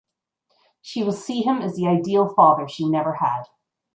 She will see him as the ideal father she never had.